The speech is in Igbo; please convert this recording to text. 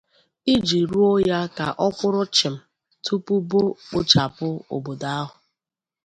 iji rụọ ya ka ọ kwụrụ chịm tupubo kpochapụ obodo ahụ.